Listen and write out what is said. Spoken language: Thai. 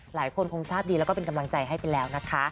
หลายคนคงทราบดีแล้วก็เป็นกำลังใจให้ไปแล้วนะคะ